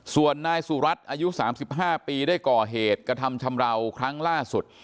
ส่วนนายสุรัตน์อายุ๓๕ปีได้ก่อเหตุกระทำชำราวครั้งล่าสุด